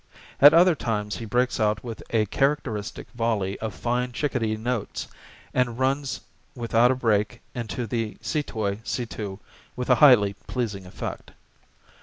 At other times he breaks out with a characteristic volley of fine chickadee notes, and runs without a break into the see toi, see too, with a highly pleasing effect.